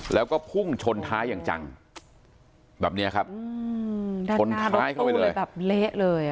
แล้วก็พุ่งชนท้ายอย่างจังแบบนี้ครับชนท้ายเข้าไปเลยด้านหน้ารถตู้เลยแบบเละเลย